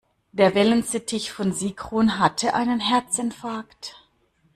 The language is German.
Der Wellensittich von Sigrun hatte einen Herzinfarkt.